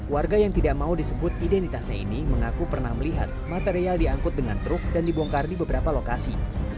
warga yang tidak mau disebut identitasnya ini mengaku pernah melihat material diangkut dengan truk dan dibongkar di beberapa lokasi